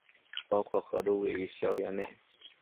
包括和都位于校园内。